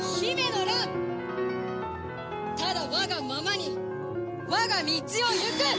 ただ我がままに我が道をゆく！